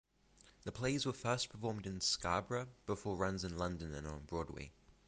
The plays were first performed in Scarborough, before runs in London and on Broadway.